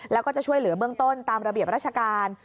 แล้วก็จะช่วยเหลือเบื้องต้นตามระเบียบราชการ